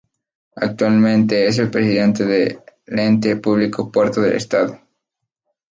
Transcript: Actualmente es el presidente del ente público Puertos del Estado.